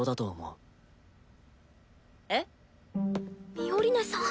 ミオリネさん。